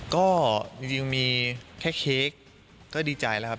ก็จริงมีแค่เค้กก็ดีใจแล้วครับ